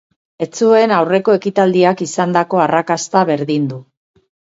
Ez zuen aurreko ekitaldiak izandako arrakasta berdindu.